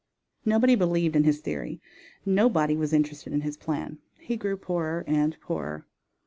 Nobody believed in his theory. Nobody was interested in his plan. He grew poorer and poorer.